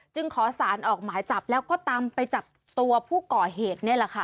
ขอสารออกหมายจับแล้วก็ตามไปจับตัวผู้ก่อเหตุนี่แหละค่ะ